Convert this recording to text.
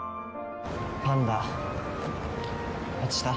「パンダ落ちた？」